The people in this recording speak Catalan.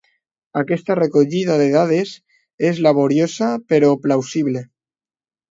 Aquesta recollida de dades és laboriosa però plausible.